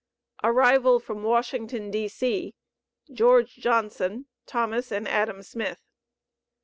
ARRIVAL FROM WASHINGTON, D.C. GEORGE JOHNSON, THOMAS AND ADAM SMITH.